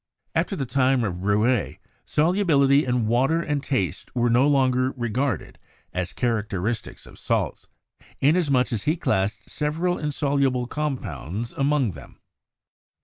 After the time of Rouelle, solubility in water and taste were no longer regarded as characteristics of salts, inasmuch as he classed several insoluble compounds among them.